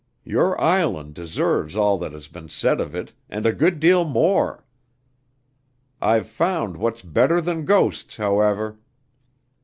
Your island deserves all that has been said of it, and a good deal more. I've found what's better than ghosts, however!"